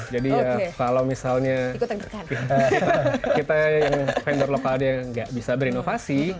jadi ya kalau misalnya kita yang vendor lokalnya nggak bisa berinovasi